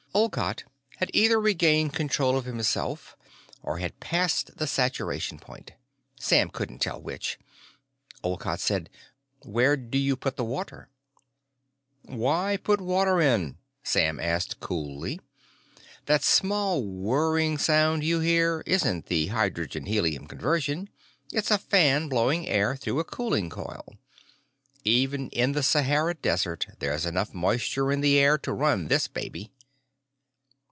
Olcott had either regained control of himself or had passed the saturation point; Sam couldn't tell which. Olcott said: "Where do you put the water?" "Why put water in it?" Sam asked coolly. "That small whirring sound you hear isn't the hydrogen helium conversion; it's a fan blowing air through a cooling coil. Even in the Sahara Desert there's enough moisture in the air to run this baby."